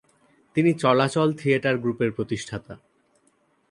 তিনি "চলাচল" থিয়েটার গ্রুপের প্রতিষ্ঠাতা।